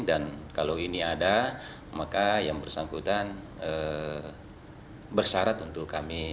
dan kalau ini ada maka yang bersangkutan bersyarat untuk kami